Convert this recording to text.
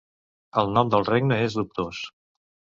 El nom del regne és dubtós.